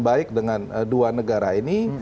baik dengan dua negara ini